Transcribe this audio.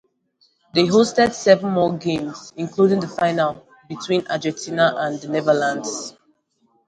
They hosted seven more games, including the final between Argentina and the Netherlands.